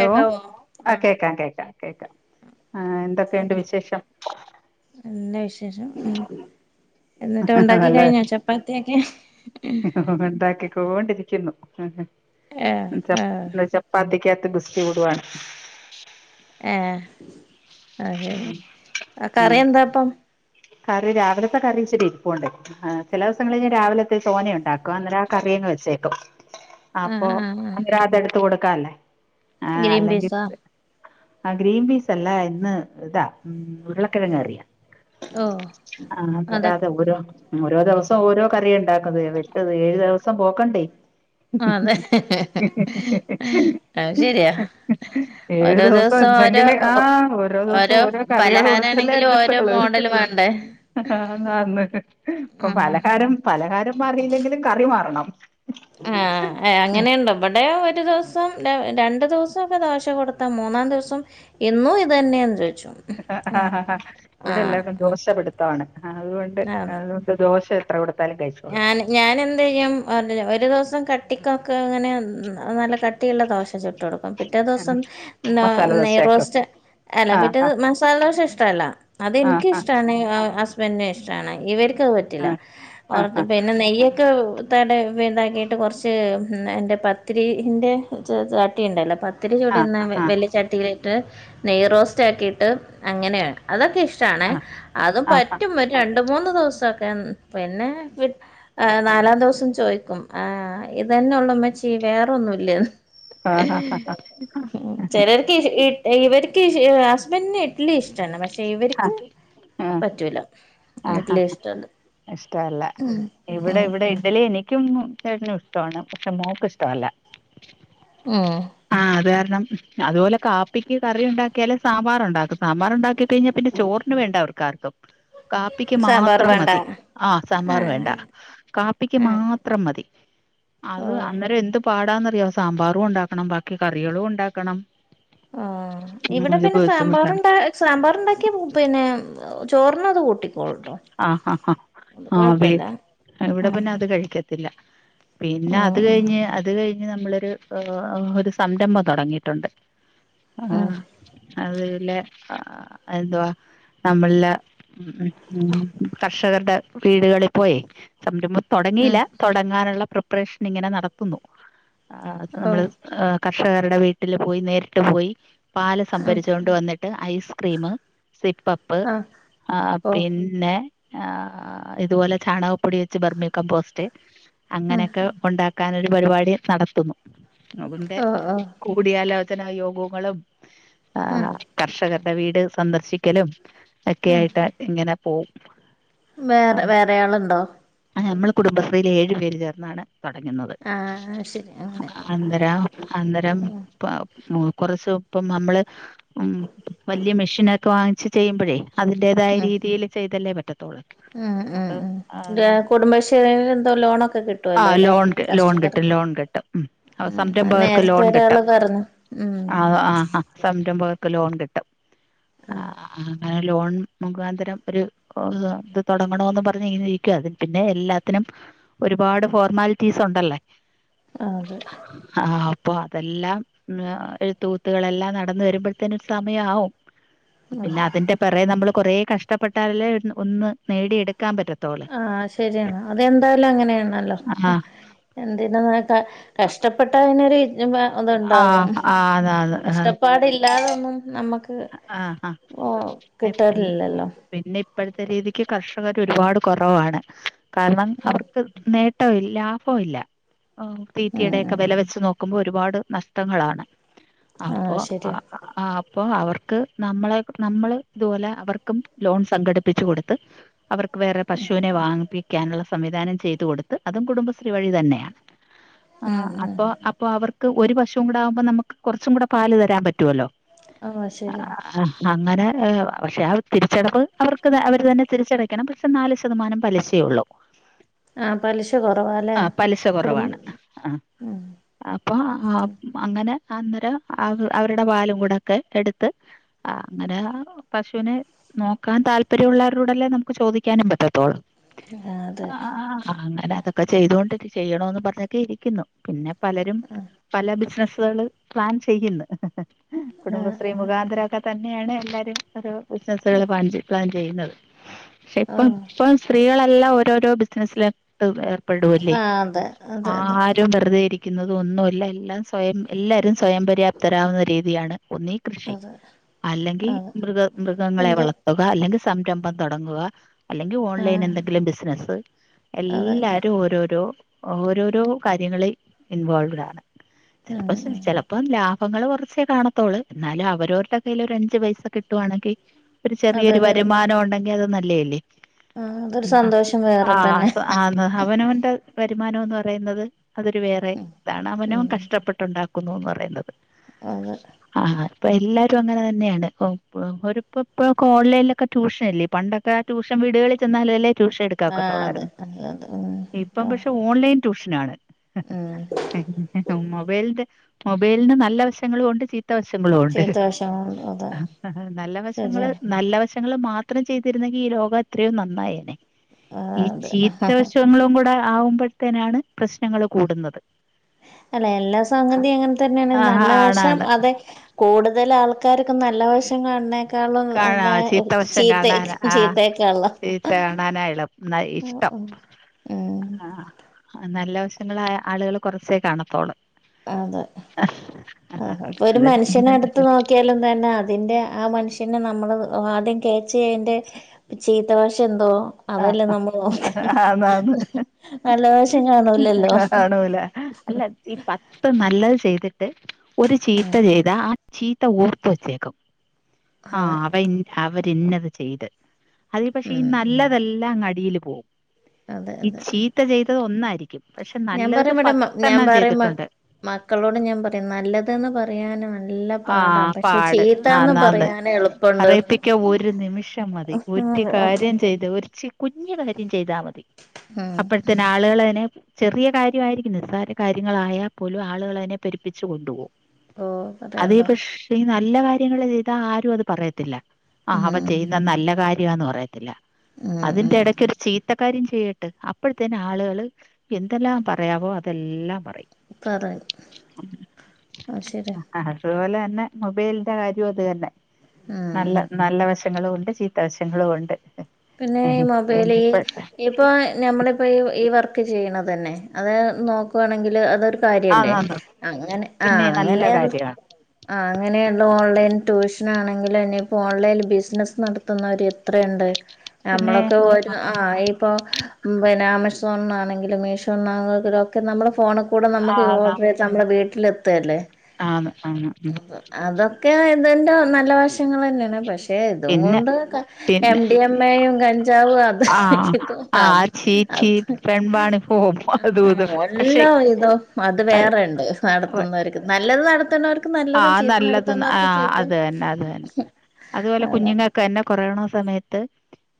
Hello ആ ആഹ് കേക്കാ കേക്കാ കേക്കാം ആ എന്തൊക്കെയുണ്ട് വിശേഷം. നല്ല‌ വിശേഷം മ് എന്നട്ട് ഒണ്ടാക്കി നല്ല കഴിഞ്ഞോ ചപ്പാത്തിയൊക്കെ? ഒണ്ടാക്കിക്കോണ്ടിരിക്കുന്നു ഏഹ ഏഹ് ഇന്ന് ചപ്പാത്തിക്കകത്ത് ഗുസ്തി കൂടുവാണ്. ഏഹെ അഹ്ശെരി ആ കറിയെന്താപ്പം?. കറി രാവിലത്തെ കറി ഇച്ചിരിരുപ്പുണ്ട്‌. ആഹാ ചെല ദിവസങളില് ഞാ രാവിലത്തെ. തോനെയുണ്ടാക്കും അന്നേരം ആ കറിയങ്ങ് വെച്ചേക്കും. അപ്പൊ ആഹ് ആഹ് ആഹ് അങ്ങനെ അതെടുത്ത് കൊടുക്കാല്ലെ ആ ഗ്രീൻ അല്ലെങ്കി പീസോ ആ ഗ്രീൻപീസല്ല ഇന്ന് ഇതാ ഉം ഉരുളക്കെഴങ്ങ് കറിയാ. ഓഹൊ ആഹ് വരാതെ ഓരോ ഓരോ ദുവസം ഓരോ കറിയാണ്ടാക്കുന്നത് വറ്റത് ഏഴു ദുവസം പോക്കെണ്ടെ അതെ അഹ് ശെരിയാ ഏഴു ഓരോ ദിവസം ഓരോ എന്തെങ്കിലും ആഹ് ദിവസം ഓരോ കറികൾ പലഹാരാണെങ്കിലും ഓരോ മോഡല് വാണ്ടേ? ആന്ന് ആന്ന് ഇപ്പൊ ആഹ് പലഹാരം പലഹാരം മാറിയില്ലെങ്കിലും കറി മാറണം [inaudible] ആഹ് ഏഹെ അങ്ങനെയുണ്ടൊ ഇബടെ ഒരു ദിവസം രണ്ട് ദിവസൊക്കെ ദോശ കൊടുത്താ മൂന്നാം ദുവസം എന്നും ഇതന്നേന്ന് ചോയ്ച്ചും ആഹ് ഇവിടെല്ലാർക്കും ദോശ പിടുത്താണ് ആഹ് അതുകൊണ്ട് അതുകൊണ്ട് ദോശയെത്ര കൊടുത്താ ഞാന് ഞാനെന്തെയ്യും ർഞെരാ ഒരു ദിവസം കട്ടിക്കൊക്കെ ഇങ്ങനെ നല്ല കട്ടിയുള്ള ദോശ ചുട്ടൊടുക്കും പിറ്റേ ആ ദിവസം മസാല നെയ് ദോശയാക്കും റോസ്റ്റ് അല്ല ആഹ് പിറ്റെന്ന് മസാലദോശ ഇഷ്ടല്ല ആഹ് അതെൻക്ക്ഷ്ടാണ് ആഹ് ഹസ്ബന്റിനിഷ്ടാണ് ഇവർക്കത് പറ്റില്ല ആഹ് ആഹ് കൊറച്ച് ആഹ് പിന്നെ നെയ്യൊക്കെ ട്ത്താണ്ടെ ഇതാക്കിയിട്ട് കൊർച്ച് എൻ്റെ പത്തിരിയിൻ്റെ ചട്ടിയ്ണ്ടല്ലോ പ ത്തിരി ആഹ് ചുട്ന്ന ആഹ് വല്ല്യ ചട്ടിലിട്ട് നെയ്യ് റോസ്റ്റാക്കിയിട്ട് അങ്ങനെയാക്കും അതൊക്കെ ഇഷ്ടാണെ അതും ആഹ് ആഹ് പറ്റും ഒരു രണ്ട് മൂന്ന് ദിവസൊക്കെ പിന്നെ ഏഹ് നാലാമത്തെ ദുവസം ചോയ്ക്കും ആഹാ ഇതനെള്ളു ഉമ്മച്ചീ വേറൊന്നു ഇല്ലേന്ന് ആഹ് ആഹ് ആഹ് ചെല ർക്ക് ഇവര്ക്ക് ഹസ്ബൻഡന് ഇഡ്ലി ഇഷ്ടാണ് പക്ഷെ ഇവര്ക്ക് ആഹ് ആഹ് പറ്റൂല ഇഡ്ലിയിഷ്ടവല്ല ഇഷ്ടവല്ല ഇവടെ ഇവടെ ഇഡലി എനി ക്കും ചേട്ടനും ഇഷ്ടവാണ് പക്ഷെ മോക്ക്ഷ്ടവല്ല ഉംഹ് ആഹ്, അത് കാരണം അതുപോലെ കാപ്പിക്ക് കറി ഉണ്ടാക്കിയാലേ സാമ്പാർ ഉണ്ടാക്കും. സാമ്പാർ ഉണ്ടാക്കി കഴിഞ്ഞാ പിന്നെ ചോറിന് വേണ്ട അവർക്കാർക്കും, കാപ്പിക്ക് സാമ്പാർ മാത്രം വേണ്ട മതി. ആഹ്, ആ സാമ്പാർ വേണ്ട. കാപ്പിക്ക് ആ മാത്രം മതി. അത് ഓ അന്നേരം എന്ത് പാടാന്നറിയ, സാമ്പാറും ഉണ്ടാക്കണം ബാക്കി കറികളും ഉണ്ടാക്കണം ആഹ്, ഉം ഇവിടെ ഒരു പിന്നെ ബുദ്ധിമുട്ടാണ് സാമ്പാറ്ണ്ട സാമ്പാർണ്ടാക്കിയ പിന്നെ ചോറിന അത് കൂട്ടിക്കോളുട്ടോ ആഹ് ആ ആ അത് ആഹ് വീ കൊഴപ്പല്ല ഇവിടെ ഉം പിന്നെ അത് കഴിക്കത്തില്ല. പിന്നെ അത് ഉം കഴിഞ്ഞ്, അത് കഴിഞ്ഞ് നമ്മളരു ഒരു സംരംഭം തൊടങ്ങിയിട്ടുണ്ട്. ആ ഉം അതിലെ ആ... എന്തുവാ നമ്മളില ഉം ഉം ഉം, കർഷകരുടെ വീടുകളിൽ പോയേ സംരംഭം തൊടങ്ങിയില്ല. ഉം തൊടങ്ങാനുള്ള പ്രിപ്പറേഷൻ ഇങ്ങനെ നടത്തുന്നു. ആ ഉം നമ്മള് ഓഹ് ഏഹ് കർഷകരുടെ വീട്ടില് പോയി നേരിട്ട് പോയി പാല് ഉം സംഭരിച്ച് കൊണ്ട് വന്നി ട്ട്, ഐൽസ്ക്രീമ്, സിപ്പപ്പ് ആഹ് ആ ഓഹ് പിന്നെ ആ ഇതുപോലെ ചാണകപ്പൊടി വെച്ച് ബർമി കമ്പോസ്റ്റ് ഉം അങ്ങനെയൊക്കെ ഒണ്ടാക്കാനൊരു പരിപാടി നടത്തുന്നു. അവന്തെ ഓഹ് ഓഹ് കൂടിയാലോചന യോഗങ്ങളും ഉം ആഹ് കർഷകരുടെ വീട് സന്ദർശിക്കലും ഒക്കെ ആയിട്ട് ഇങ്ങനെ പോവും. വേറെ വേറെ അളുണ്ടോ? ആ നമ്മള് കുടുംബശ്രീയില് ഏഴു പേര് ചേർന്നാണ് തുടങ്ങുന്നത്. ആഹ് ശരി അങ്ങനെ അന്തരാ അന്നരം ഇപ്പൊ കൊറച്ച് ഇപ്പം നമ്മള് ഉം, വല്ലിയ മെഷീനൊക്കെ വാങ്ങിച്ച് ചെയ്യുമ്പോഴേ അതിന്റേതായ ഉം രീതിയില് ചെയ്തല്ലേ പറ്റത്തുള്ളൂ. ഉം ഉം നമുക്ക് ഉം ദേ കുടുംബശേരി തൊ ലോണൊക്കെ ആ കിട്ടുവല്ലോ ല്ലേ, ലോൺ ലോൺ കർഷകർ. കിട്ടും ലോൺ കിട്ടും ഉം ഉം, അത്‌ നേരത്തെ ഒര് ആള് പറഞ്ഞു. ഉം ആഹ്, ആ അ സംരംഭകർക്ക് ലോൺ കിട്ടും ആഹ് ആ അങ്ങനെ ലോൺ മുഖാന്തരം ഒരു [unintelligible] ഇത് തൊടങ്ങണോന്ന് പറഞ്ഞ് ഇങ്ങനെ ഇരിക്കുകാ അത് പിന്നെ എല്ലാത്തിനും ഒരുപാട് ഫോർമാലിറ്റീസ് ഉണ്ടല്ലേ ആഹ്, അതെ ആഹ്, അപ്പൊ അതെല്ലാം [unintelligible] എഴുത്തു കൂത്തുകളെല്ലാം നടന്നു വരുമ്പോഴത്തേനു സമയാവും. പിന്നെ അതിന്റെ പിറേ നമ്മള് കൊറെേ കഷ്ടപ്പെട്ടാലല്ലേ ഒ ഒന്ന് നേടിയെടുക്കാൻ പറ്റത്തുള്ളൂ. ആഹ് ശരിയാണ്. അതെന്തായാലും അങ്ങനെയാണല്ലോ. ആഹ് എന്തിനതിനാ ക കഷ്ടപ്പെട്ടാ അതിനൊരു [unintelligible] ഒന്നുണ്ടാകും. ആഹ് ആഹ് ആന്ന് ആന്ന് ആഹ് കഷ്ടപ്പാടില്ലാതൊന്നും നമുക്ക് ആഹ് [unintelligible] പിന്നെ പിൻ- കിട്ടാറില്ലല്ലോ പിന്നെ ഇപ്പഴത്തെ രീതിക്ക് കർഷകർ ഒരുപാട് കുറവാണ്. കാരണം അവർക്ക് നേ ട്ടോം ലാ.... ഭോംല്ല. തീറ്റിയുടെ ഒക്കെ വില വെച്ച് നോക്കുമ്പോൾ ഒരുപാട് നഷ്ടങ്ങളാണ്. ആഹ് അപ്പോ അ ശരിയാ ആ അപ്പോ അവർ ക്ക് നമ്മളെ നമ്മള് ഇതുപോലെ അവർക്കും ലോൺ സംഘടിപ്പിച്ചു കൊടുത്ത് അവർ വേറെ പശുവിനെ വാങ്ങിപ്പി ക്കാനുള്ള സംവിധാനം ചെയ്തു കൊടുത്ത് അതും കുടുംബശ്രീ വഴി തന്നെയാണ്. ആ അപ്പൊ അപ്പൊ അവർക്ക് ഒരു പശുവും കൂടാകുമ്പോ നമുക്ക് കുറച്ചും കൂടെ പാലു തരാൻ പറ്റുവല്ലോ ആഹ് ശരിയാ [unintelligible] അങ്ങനെ പക്ഷെ ആ തിരിച്ചടവ് അവർക്ക് അവർ തന്നെ തിരിച്ചടക്കണം. പക്ഷെ നാല് ശതമാനം പലിശയുള്ളു ആഹ്, പലിശ കൊറവാല്ലേ. ആ പലിശ കുടും കുറവാണ് ആ ഉം അപ്പൊ ആ അങ്ങനെ അന്നരം അവരുടെ പാലും കൂടൊക്കെ എടുത്ത് ആ അങ്ങനെ പശുവിനെ നോക്കാൻ താല്പര്യമുള്ളവരോടല്ലേ നമുക്ക് ചോദിക്കാനും പറ്റത്തുള്ളൂ. അ അതെ അ ആഹ്, ആഹ് അങ്ങനെ അത് ഇപ്പൊ ചെയ്തൊണ്ട് ചെയ്യാണോന്ന് പറഞ്ഞൊക്കെ ഇരിക്കുന്നു പിന്നെ പലരും പല ബിസിനസുകള് പ്ലാൻ ചെയ്യുന്നു കുടുംബശ്രീ മുഖാന്തരമൊക്കെ തന്നെയാണ് എല്ലാരും ഒരു ബിസിനസുകൾ പ്ലാൻ ചെയ്യ് പ്ലാൻചെയ്യുന്നത് പക്ഷെ ഇപ്പം ആഹ് ഇപ്പം സ്ത്രീകളെല്ലാം ഓരോരോ ബിസിനസ്സിലോട്ടു വരാ പോവൂല്ലേ ആഹ് അതെ അതെ അതെ ആരും വെറുതെയിരിക്ക ഇരിക്കുന്നത് ഒന്നുമില്ല എല്ലാം സ്വയം എല്ലാവരും സ്വയം പര്യാപ്തരാവുന്ന രീതിയാണ് ഒന്നീ കൃഷി അതെ അല്ലെങ്കിൽ അതെ മൃഗ മൃഗങ്ങളെ എന്ത് വളർത്ത് പോക, അല്ലെങ്കിൽ സംരംഭം തുടങ്ങുക അല്ലെങ്കിൽ ഓൺലൈൻ ആഹ് എന്തെങ്കിലും ബിസിനസ് അതെ എല്ലാരും ഓരോരോ ഓരോരോ കാര്യങ്ങളിൽ ഇൻവോൾവ്ഡ് ആണ് ഉം ചിലപ്പം സ് ഉം ചിലപ്പം ലാഭ ലാഭങ്ങള് കുറച്ചേ കാണത്തേയുള്ളൂ എന്നാലും അവരവരുടെ കൈയീൽ ഒരു അഞ്ചു പൈസ കിട്ടുവാണെങ്കിൽ ഒരു ചെറിയൊരു അതൊരു വരുമാനം ഉണ്ടെങ്കിൽ അത് നല്ലതല്ലേ ആഹ് അതൊരു ഉം സന്തോഷം വേറെ തന്നെ ആഹ് ആഹ് അവനവന്റെ വരുമാനം എന്ന് പറയുന്നത് അതൊരു വേറെ ഇതാണ് അവനവൻ കഷ്ടപ്പെട്ടുണ്ടാക്കുന്ന കുന്നു പറയുന്നത്ത് അത് ആഹ് ഇപ്പൊ എല്ലാരും അങ്ങനെ തന്നെയാണ് ഒരുപ്പോ ഇപ്പോ ഓൺലൈനിലൊക്കെ ട്യൂഷനില്ലേ പണ്ടൊക്കെ ട്യൂഷൻ വീടുകളിൽ ചെന്നാലല്ലേ ട്യൂഷൻ ആഹ് അതെ എടുക്കാനൊക്കത്തൊളളായിരുന്നു. അതെ ഉം ഇപ്പം പക്ഷെ ഓൺലൈൻ ട്യൂഷനാണ് ഉം മൊബൈലിന്റെ മൊബൈലിന് നല്ല വശങ്ങളുമുണ്ട് ചീത്ത വശങ്ങളുമുണ്ട് ചീത്തവശങ്ങളുണ്ട് അതെ ആഹ് നല്ല വശങ്ങള് ശരിയാണ് നല്ലവശം വശങ്ങൾ മാത്രം ചെയ്തിരുന്നെങ്കിൽ ഈ ലോകം എത്രയോ നന്നായേനെ ഈ ആഹ് അതെ ചീത്ത വശങ്ങളും കൂടെ ആവുമ്പോഴത്തേനാണ് പ്രശ്നങ്ങൾ കൂടുന്നത് അല്ല എല്ലാ സംഗതി അങ്ങനെ തന്നെയാണ് ആ നല്ല വശം ആണാണ് അതെ കൂടുതൽ ആൾക്കാർക്ക് നല്ല വശം കാണണേ ക്കാളും കാണാ നല്ല ചീത്തവശം ചീത്ത കാണാൻ ചീത്തയേക്കാള്ളം ന്നാ ഇഷ്ടം ആഹ് നല്ല വശങ്ങളായ ആളുകൾ കൊറച്ചേ കാണത്തോള്ളൂ അതെ ആ അപ്പൊ ഒരു മനുഷ്യനെ എടുത്ത് നോക്കിയാലും തന്നെ അതിന്റെ ആ മനുഷ്യനെ നമ്മള് ആദ്യം കേച്ച് ചെയ്യേണ്ട ചീത്ത വശം എന്തോ ആ അതല്ലേ നമ്മൾ നോക്കേ ആന്ന് ആന്ന് നല്ലവശം കാണൂലല്ലോ കാണൂല അല്ല ഈ പത്ത് നല്ലത് ചെയ്തിട്ട് ഒരു ചീത്ത ചെയ്താ ആ ചീത്ത ഓർത്ത് വെച്ചേക്കും ആ അതെ അവ ഇന്ന അവര്ന്നത് ചെയ്ത് അതെ പക്ഷെ ഈ ഉം നല്ലതെല്ലാംങ്ങടീല് പോവും അതെ ഈ അതെ ചീത്ത ചെയ്തത് ഒന്നാരിക്കും പക്ഷെ ഞാൻ നല്ലത് പറയും ഇവിടെ ഞാൻ പത്തെണ്ണം പറയും മ ചെയ്തിട്ടുണ്ട് മക്കളോട് ഞാൻ പറയും നല്ലതെന്ന് പറയാനാണ് നല്ല ആ പാടാ പക്ഷെ പാട് ചീത്താന്ന് ആന്നാന്ന് പറയാന് എളുപ്പണ്ട് പറയിപ്പിക്ക ഒരു നിമിഷം മതി ഒരു കാര്യം ചെയ്ത് ഒരു ചി കുഞ്ഞ് കാര്യം ചെയ്താ മതി ഉം അപ്പോയതെന്ന് ആളുകളെന്നെ ചെറിയ കാര്യമായിരിക്കും നിസ്സാര കാര്യങ്ങളായാൽ പോലും ആളുകളയിനെ പെരുപ്പിച്ച് കൊണ്ട് പോവും ഓ അതെ പറയണ്ടോ പക്ഷേ ഈ നല്ല കാര്യങ്ങള് ചെയ്താ ആരും അത് പറയത്തില്ല ആ ഉം അവ ചെയ്ത് ത്, നല്ല കാര്യാന്ന് പറയത്തില്ല ഉം അതിന്റെ ഉം ഇടക്കൊരു ചീ ത്ത കാര്യം ചെയ്യട്ട് അപ്പോഴത്തേന്ന ആളുകള് എന്തെല്ലാം പറയാവോ അതെല്ലാം പറയും പറയും അത്ശേരിയാ അതുപോലെന്നെ മൊബൈലിന്റെ കാര്യവും അത് തന്നെ ഉം നല്ല നല്ല വശ വശങ്ങളും ഉണ്ട് ചീത്തവശങ്ങളും ഉണ്ട് പിന്നെ മൊബൈല് ഈ ഇപ്പ ഇപ്പോൾ ഞമ്മളിപ്പോൾ ഈ വർക്ക് ചെയ്യണെതെന്നെ അത് നോക്കുവാണെങ്കില് അതൊരു കാര്യല്ലേ ആന്നാന്ന് അങ്ങനെ പിന്നെ ആഹ് നല്ല അങ്ങനെയാർ കാര്യമാണ് ആഹ് അങ്ങനെയുള്ള ഓൺലൈൻ ട്യൂഷൻ ആണെങ്കിലും എനിയിപ്പോ ഓൺലൈൻ ബിസിനസ് നടത്തുന്നവര് എത്രയുണ്ട് പിന്നെ നമ്മളൊക്കെ ഒരു ആഹ് ഇപ്പൊ പിന്നെ ആമസോണിന്നാണെങ്കിലും മീഷോന്നാണെങ്കിലും ഒക്കെ നമ്മൾ ഫോണ്ക്കുടെ നമ്മക്ക് ആന്ന് ഓർഡർ എടു ത്ത് നമ്മളെ വീട്ടിലെത്തെല്ലേ ആന്ന് ആന്ന് ഉം അതൊക്കെ ഇതിന്റെ നല്ല വശങ്ങളെന്നെയാണ് പക്ഷെ ഇതും പിന്നെ കൊണ്ടൊക്കെ എം പിന്നെ ഡി എം മേയും കഞ്ചാവു ആ അഹ് ആ അത ചീറ്റി അത് പെൺവാണി പോവും അതും ഇതും പക്ഷെ വെല്ലാ ഇതോ അത് വേറെണ്ട് നടത്തുന്നവർക്ക് നല്ലത് നടത്തുണോർക്ക് ആഹ് നല്ലത് ന്ന് ആഹ് അത് തന്നെ അത് തന്നെ അതുപോലെ അതാ കുഞ്ഞുങ്ങക്ക് ക്കെന്നെ കൊറോണ സമയത്ത്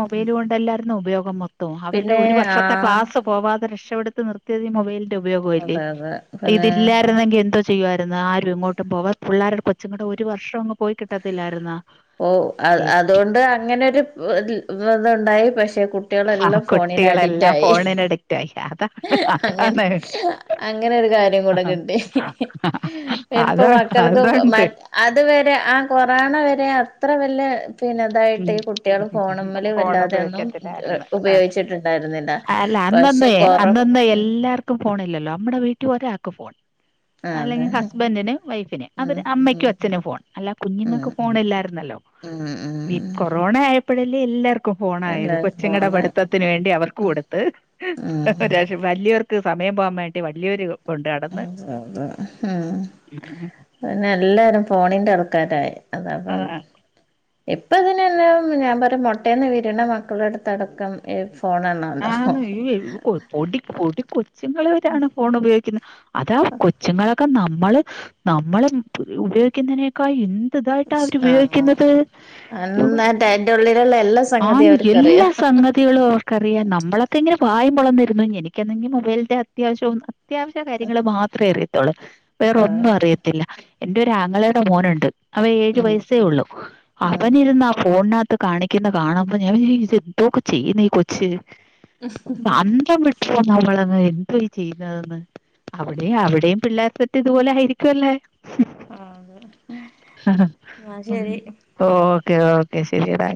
മൊബൈൽ കൊണ്ടല്ലാർന്നോ ഉപയോഗം മൊത്തം അവരുടെ പിന്നെ ഒരു ആ വർഷത്തെ ക്ലാസ് പോവാതെ രക്ഷപ്പെടുത്ത് നിർത്തിയത് ഈ മൊബൈൽ ഉപയോഗവല്ലെ അതെ അതെ പിന്നെ ഇതില്ലായിരുന്നെങ്കിൽ എന്തോ ചെ ചെയ്യുവാർന്നോ ആരും എങ്ങോട്ടും പോവ പിള്ളാരുടെ കൊച്ചുങ്ങടെ ഒരു വർഷം അങ്ങ് പോയി കിട്ടത്തില്ലാർന്നോ ഓ അത് അതോണ്ട് അങ്ങനൊരു ഇതുണ്ടായി പക്ഷെ ആ കുട്ടികളെല്ലാം ഫോണിന് അഡിറ്റ് കുട്ടികളെല്ലാം ആയി ഫോണിന് അഡിക്റ്റ് ആയി അതാണ് അങ്ങനെ അതാണ് അങ്ങനെ ഒരു കാര്യം കൂടെക്കിട്ടി അത എൾപ്പം മക്കൾക്ക് അതുണ്ട് അതുവരെ ആഹ് കൊറോണ വരെ അത്രവെല്ലെ പിന്നെതായിട്ട് ഈ കുട്ടികൾ ഫോണമ്മ്ല് ഫോൺ വല്ലാതെയൊന്നും എ ഉപയോഗിക്കത്തില്ലായിരുന്നു ആ ഉപയോഗിച്ചിട്ടുണ്ടായിരുന്നില്ല. അല്ല പക്ഷെ അന്നൊന്നേ കൊറ അന്നൊന്നേ ഉം എല്ലാർക്കും ഫോണില്ലല്ലോ മ്മടെ വീട്ടിൽ ഒരാൾക്ക് ഫോൺ അതെ അല്ലെങ്കിൽ ഹസ്ബന്റിന് വൈഫിന് ഉം അവര് ഉം അമ്മയ്ക്കും അച്ഛനും ഫോൺ അല്ല ഉം കുഞ്ഞുങ്ങൾക്ക് ഫോണില്ലായിരുന്നല്ലോ ഉം ഉം ഈ കൊറോണ ആയപ്പോഴല്ലെ എല്ലാർക്കും ക്കും ഫോണായത് എല്ലാരും കൊച്ച്ങ്ങടെ ഫോണ് പഠിത്തത്തിന് വേണ്ടി അവർക്ക് കൊടുത്ത് ഉം പക്ഷെ വലിയവർക്ക് സമയം പോകാൻ വേണ്ടി വലിയൊരു എം പിന്നെ എല്ലാരും ഫോണിന്റെ ആൾക്കാരായി അതാപ്പം ഇപ്പ ഇതിനെല്ലാം ഞാൻ പറ മുട്ടേന്ന് വിരണ മക്കളുടെ അടുത്ത്ടക്കം ഇ ഫോൺണ്ണോ ആഹ് പൊടി പൊടി കൊച്ചുങ്ങളെ വരാണ് ഫോൺ ഉപയോഗിക്കുന്നത് അതാ കൊച്ചുങ്ങളൊക്കെ നമ്മള് നമ്മള് ഉപയോഗിക്കുന്നതിനെ കൈ എന്ത്‌ ഇതായിട്ടാ അവരുപയോഗിക്കുന്നത് അല്ല് അയിന്റെ ഉള്ളിലുള്ള എല്ലാ സംഗതി അവർക്ക അറിയാം ധ്യാളും അവർക്കറിയാം നമ്മളൊക്കെ ഇങ്ങനൊ വയുമ്പോളൊന്ന ഇരുന്നു ഇനി എനിക്കെങ്കിൽ മൊബൈിന്റെ അത്യാവശ്യം അത്യാവശ്യ കാര്യങ്ങൾ മാത്രമേ അറിയത്തുള്ളൂ വേറൊന്നും അറിയത്തില്ല എന്റെ ഒരുരാങ്ങളയുടെ മോനുണ്ട് അവ ഏഴു ഉം വയസേ ഉള്ളു അവൻ ഇരുന്ന ആഹ് ഫോണിന കത്ത് കാണിക്കുന്ന കാണുമ്പ ഞാൻ വിചാരിച്ചു എന്തൊക്കെ ചെയ്യുന്നീ കൊച്ച് അന്ത ഇപ്പൊ നമ്മളങ് എന്താ ഈ ചെയ്യുന്നതെന്ന് അവിടെയും അവിടെയും പിള്ളേര് സെറ്റ് ഇതുപോലെ ആയിരിക്കുംല്ലേ ആഹ് എന്ന ശരി ഓക്കെ ഓക്കെ ശരിടാ